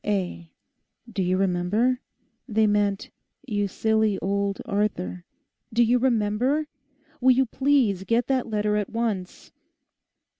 O.A."—do you remember? They meant, You Silly Old Arthur!—do you remember? Will you please get that letter at once?